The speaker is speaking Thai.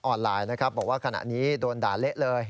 ออนไลน์บอกว่างขณะนี้โดนด่าเละเลย